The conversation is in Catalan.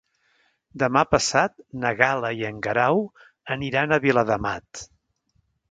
Demà passat na Gal·la i en Guerau aniran a Viladamat.